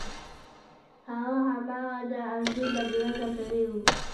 هغه هماغه د انځور بدرنګه سړی و.